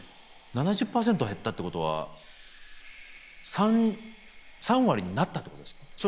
７０％減ったってことは３割になったってことですか。